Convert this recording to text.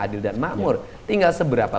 adil dan makmur tinggal seberapa